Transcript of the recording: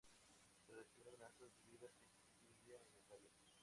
Tras recibir amenazas de vida, se exilia en Italia.